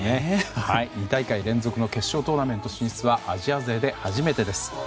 ２大会連続の決勝トーナメント進出はアジア勢で初めてです。